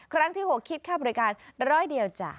ครั้งที่๖คิดค่าบริการร้อยเดียวจ้ะ